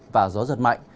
và gió giật mạnh